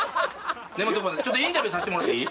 ちょっとインタビューさせてもらっていい？